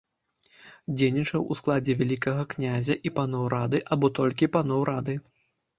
Дзейнічаў у складзе вялікага князя і паноў рады або толькі паноў рады.